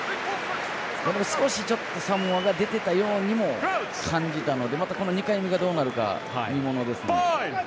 少しサモアが出てたようにも感じたのでまた２回目がどうなるか見ものですね。